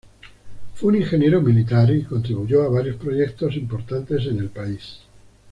Fue un Ingeniero militar y contribuyó a varios proyectos importantes en el país.